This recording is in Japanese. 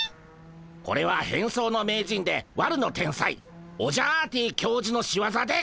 これは変装の名人で悪の天才オジャアーティ教授の仕業でゴンス。